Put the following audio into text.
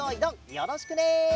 よろしくね！